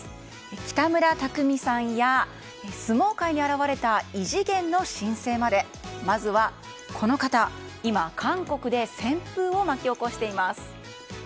北村匠海さんや相撲界に現れた異次元の新星までまずはこの方、今、韓国で旋風を巻き起こしています。